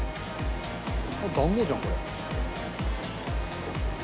団子じゃんこれ。